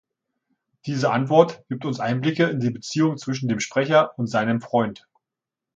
Diese Antwort gibt uns Einblicke in die Beziehung zwischen dem Sprecher und seinem Freund.